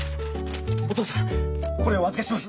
お父さんこれお預けします。